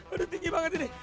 aduh tinggi banget ini